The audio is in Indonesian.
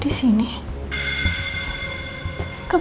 wisir menjadi yougloh